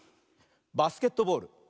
バスケットボール。